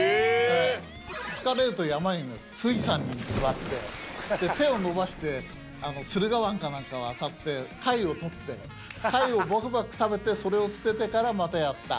疲れると富士山に座って手を伸ばして駿河湾か何かあさって貝をとって貝をばくばく食べてそれを捨ててからまたやった。